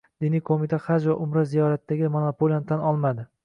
Diniy qo‘mita Haj va Umra ziyoratidagi monopoliyani tan olmadi